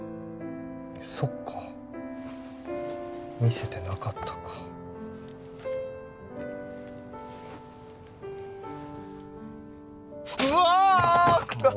そっか見せてなかったかうわあーっ！